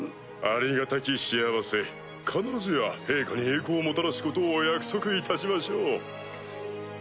ありがたき幸せ必ずや陛下に栄光をもたらすことを約束いたしましょう。